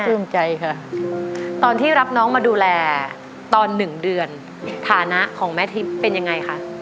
ภูมิใจค่ะตอนที่รับน้องมาดูแลตอน๑เดือนฐานะของแม่ทิพย์เป็นยังไงคะ